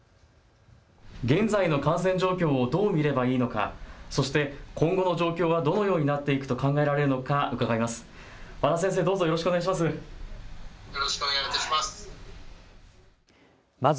現在の感染状況をどう見ればいいのか、そして今後の状況はどのようになっていくと考えられるのか伺います。